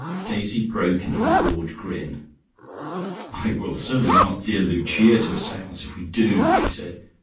Daisy broke into a broad grin. "I will certainly ask dear Lucia to a seance, if we do," she said.